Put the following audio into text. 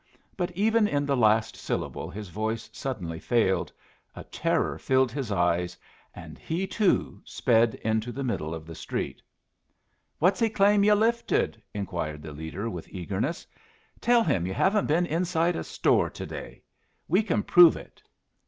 But even in the last syllable his voice suddenly failed, a terror filled his eyes, and he, too, sped into the middle of the street. "What's he claim you lifted?" inquired the leader, with eagerness. "Tell him you haven't been inside a store to day. We can prove it!"